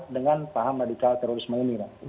dengan paham radikal terorisme ini